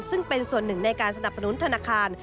ซึ่งเป็นส่วนหนึ่งในการสนับสนุนธนาคาร